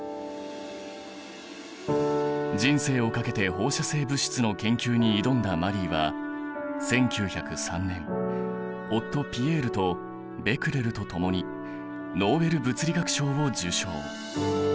人生を懸けて放射性物質の研究に挑んだマリーは１９０３年夫・ピエールとベクレルとともにノーベル物理学賞を受賞。